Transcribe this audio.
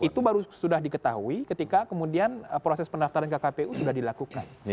jadi itu baru sudah diketahui ketika kemudian proses pendaftaran ke kpu sudah dilakukan